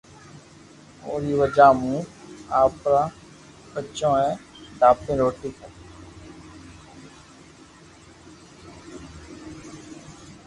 اوري وجہ مون اپارا بچو اي دھاپين روٽي